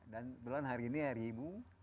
dan bulan hari ini hari ibu